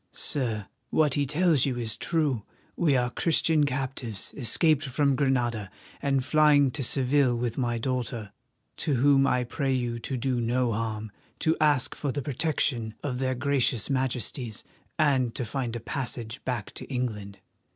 Sir, what he tells you is true. We are Christian captives escaped from Granada and flying to Seville with my daughter, to whom I pray you to do no harm, to ask for the protection of their gracious Majesties, and to find a passage back to England."